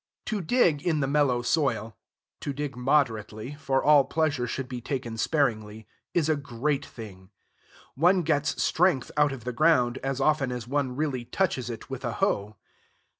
To dig in the mellow soil to dig moderately, for all pleasure should be taken sparingly is a great thing. One gets strength out of the ground as often as one really touches it with a hoe.